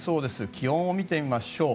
気温を見てみましょう。